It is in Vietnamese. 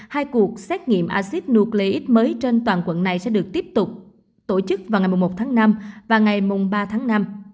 hai cuộc xét nghiệm acid nucleic mới trên toàn quận này sẽ được tiếp tục tổ chức vào ngày một tháng năm và ngày ba tháng năm